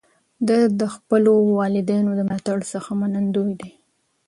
ده د خپلو والدینو د ملاتړ څخه منندوی دی.